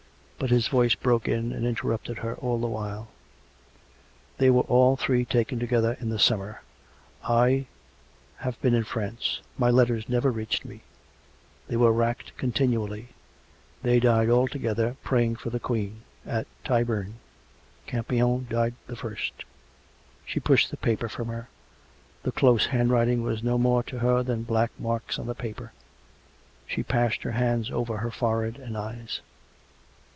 But his voice broke in and interrupted her all the while. " They were all three taken together, in the summer. ... I ... have been in France; my letters never reached me. •.. They were racked continually. ... They died all together; praying for the Queen ... at Tyburn. ... Campion died the first. ..." She pushed the paper from her; the close handwriting was no more to her than black marks on the paper. She passed her hands over her forehead and eyes.